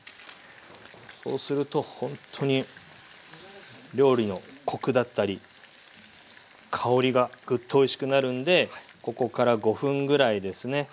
そうするとほんとに料理のコクだったり香りがぐっとおいしくなるんでここから５分ぐらいですね